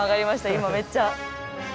今めっちゃ。